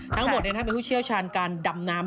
ทั้งหมดเป็นผู้เชี่ยวชาญการดำน้ำ